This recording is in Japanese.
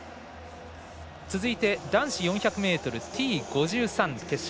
続いて、男子４００ｍＴ５３決勝。